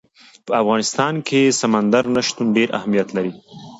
په افغانستان کې سمندر نه شتون ډېر اهمیت لري.